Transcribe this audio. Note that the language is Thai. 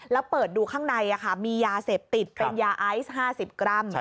แล้วเปิดดูข้างในมียาเสพติดเป็นยาไอซ์๕๐กรัม